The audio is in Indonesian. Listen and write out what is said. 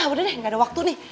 hah udah deh ga ada waktu nih